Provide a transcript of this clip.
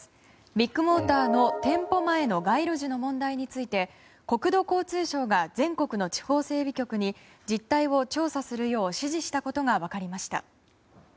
ビッグモーターの店舗前の街路樹の問題について国土交通省が全国の地方整備局に実態を調査するよう指示したことが分かりました。